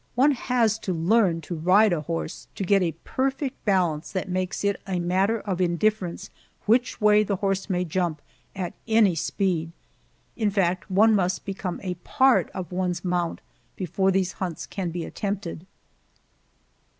One has to learn to ride a horse to get a perfect balance that makes it a matter of indifference which way the horse may jump, at any speed in fact, one must become a part of one's mount before these hunts can be attempted.